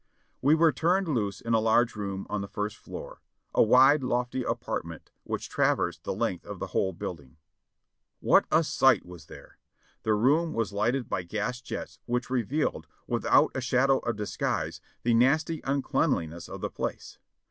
We were turned loose in a large room on the first floor, a wide, lofty apartment which traversed the length of the whole building. What a sight was there ! The room was lighted by gas jets which revealed, w ithout a shadow of disguise, the nasty unclean liness of the place.